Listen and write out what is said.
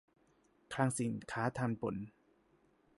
คลังสินค้าทัณฑ์บน